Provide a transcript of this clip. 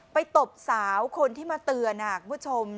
ตบสาวคนที่มาเตือนคุณผู้ชม